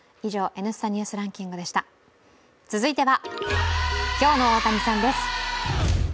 続いては、今日の大谷さんです。